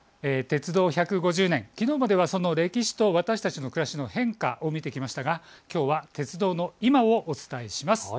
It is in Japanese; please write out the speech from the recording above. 鉄道１５０年、きのうまではその歴史と私たちの暮らしの変化を見てきましたが、きょうは鉄道の今をお伝えします。